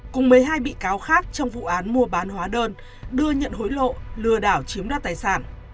cùng một mươi hai bị cáo khác trong vụ án mua bán hóa đơn đưa nhận hối lộ lừa đảo chiếm đoạt tài sản